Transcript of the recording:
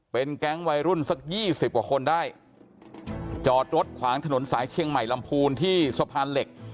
เป็นแก๊งวัยรุ่นสักยี่สิบกว่าคนได้จอดรถขวางถนนสายเชียงใหม่ลำพูนที่สะพานเหล็ก